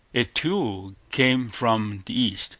It, too, came from the East.